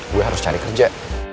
gue harus cari kerja